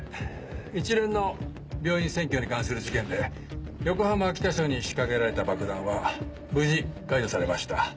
一連の病院占拠に関する事件で横浜北署に仕掛けられた爆弾は無事解除されました。